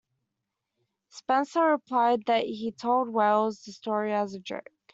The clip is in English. Spencer replied that he told Wales the story as a joke.